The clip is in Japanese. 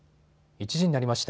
１時になりました。